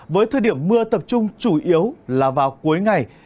với thời điểm mưa tập trung chủ yếu là vào cuối ngày